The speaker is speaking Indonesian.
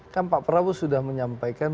kan pak prabowo sudah menyampaikan